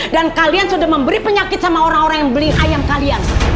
kalian sudah memberi penyakit sama orang orang yang beli ayam kalian